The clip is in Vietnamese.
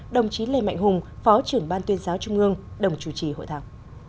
đồng chí lê mạnh hùng phó trưởng ban tuyên giáo trung ương đồng chủ trì hội thảo